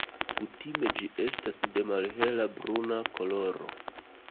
Kutime ĝi estas de malhela bruna koloro.